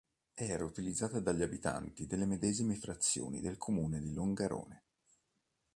Era utilizzata dagli abitanti delle medesime frazioni del comune di Longarone.